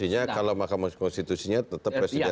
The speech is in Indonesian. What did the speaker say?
setelah mahkamah konstitusinya tetap presiden selesai